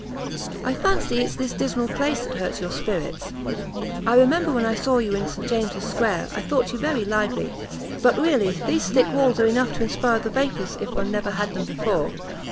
"I fancy it's this dismal place that hurts your spirits. I remember when I saw you in St James's square I thought you very lively. But really these thick walls are enough to inspire the vapours if one never had them before."